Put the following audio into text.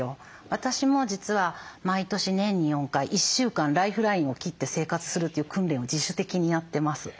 私も実は毎年年に４回１週間ライフラインを切って生活するという訓練を自主的にやってます。